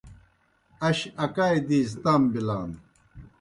اش اکائے دیزیْ تام بِلان۔